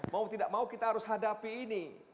mau tidak mau kita harus hadapi ini